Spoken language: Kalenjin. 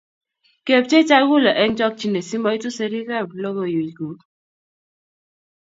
Kepchei chakulee heng chokchinee si maitu serii ab lokoiwek ku